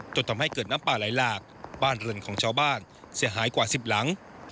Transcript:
จนทำให้เกิดน้ำป่าไหลหลากบ้านเรือนของชาวบ้านเสียหายกว่า๑๐หลัง